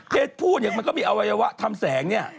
พูดเนี่ยมันก็มีอวัยวะทำแสงเนี่ย